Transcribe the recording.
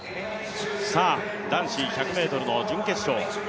男子１００ｍの準決勝。